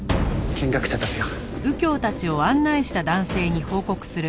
見学者たちが。